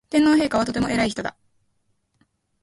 天皇陛下はとても偉い人だ